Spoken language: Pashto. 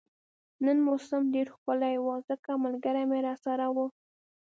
نن موسم ډیر ښکلی وو ځکه ملګري مې راسره وو